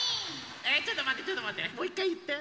えちょっとまってちょっとまって。